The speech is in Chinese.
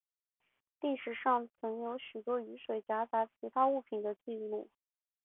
历史上曾有许多雨水夹杂其他物品的记录。